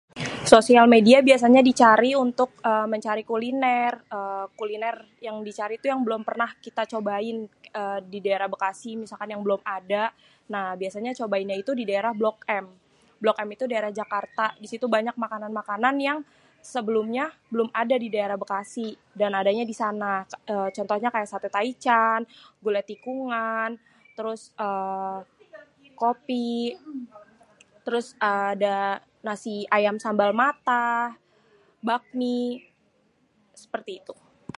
Sosial media biasanya dicari untuk mencari kuliner eee. Kuliner yang dicari itu yang belom pernah kita cobain di daerah bekasi misalkan yang belom ada Nah biasa nyobainnya itu di daerah Blok M. Blok M itu daerah Jakarta. Di situ banyak makanan-makanan yang sebelumnya belum ada di daerah Bekasi dan adanya di sana. Contohnya kayak sate taichan, gule tikungan, terus eee kopi, terus ada nasi ayam sambal matah, bakmi, seperti itu.